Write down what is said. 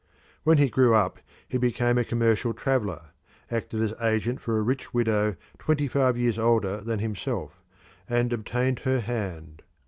When he grew up he became a commercial traveller, acted as agent for a rich widow twenty five years older than himself, and obtained her hand.